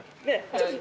ちょっと。